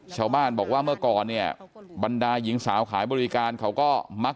ชาวบ้านบอกว่าเมื่อก่อนเนี่ยบรรดาหญิงสาวขายบริการเขาก็มัก